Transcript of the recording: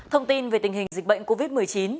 thông tin về tình hình dịch bệnh covid một mươi chín